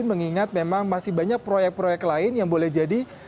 mengingat memang masih banyak proyek proyek lain yang boleh jadi